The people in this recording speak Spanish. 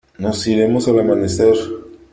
nos iremos al amanecer .